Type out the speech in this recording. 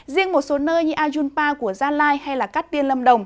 riêng một số nơi như ajunpa của gia lai hay cát tiên lâm đồng